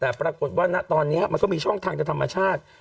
แต่ปรากฏว่าณตอนนี้มันก็มีช่องทางจะธรรมชาติ